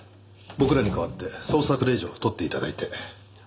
僕らに代わって捜索令状を取って頂いて。